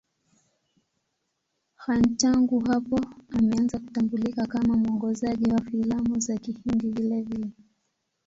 Khan tangu hapo ameanza kutambulika kama mwongozaji wa filamu za Kihindi vilevile.